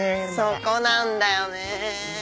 そこなんだよね。